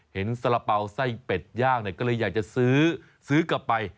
เห็นสาระเป๋าไส้เป็ดย่างก็เลยอยากจะซื้อกลับไป